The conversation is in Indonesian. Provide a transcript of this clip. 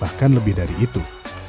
bahkan lebih dari itu